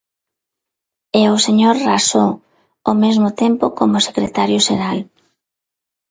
E o señor Raxó, o mesmo tempo, como secretario xeral.